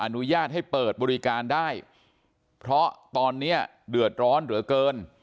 อนุญาตให้เปิดบริการได้เพราะตอนนี้เดือดร้อนเหลือเกิน